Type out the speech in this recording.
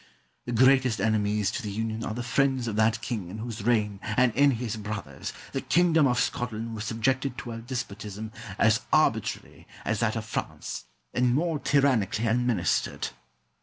The greatest enemies to the union are the friends of that king in whose reign, and in his brother's, the kingdom of Scotland was subjected to a despotism as arbitrary as that of France, and more tyrannically administered.